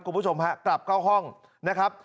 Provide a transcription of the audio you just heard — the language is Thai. คุณผู้ชมฮะกลับเข้าห้องนะครับ